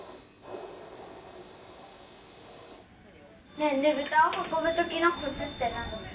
ねえねぶたを運ぶときのコツって何？